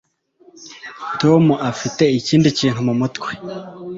Tom afite ikindi kintu mumutwe